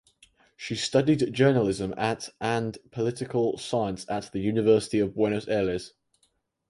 She studied journalism at and political science at the University of Buenos Aires.